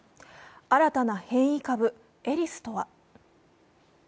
新たな変異株・エリスとは。